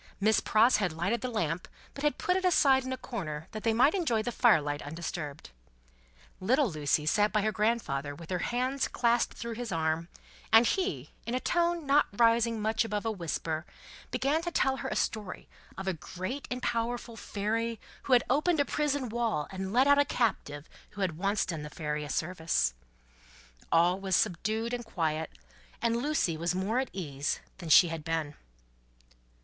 Miss Pross had lighted the lamp, but had put it aside in a corner, that they might enjoy the fire light undisturbed. Little Lucie sat by her grandfather with her hands clasped through his arm: and he, in a tone not rising much above a whisper, began to tell her a story of a great and powerful Fairy who had opened a prison wall and let out a captive who had once done the Fairy a service. All was subdued and quiet, and Lucie was more at ease than she had been.